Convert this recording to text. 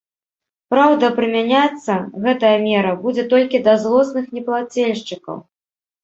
Праўда, прымяняцца гэтая мера будзе толькі да злосных неплацельшчыкаў.